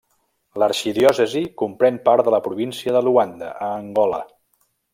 L'arxidiòcesi comprèn part de la província de Luanda, a Angola.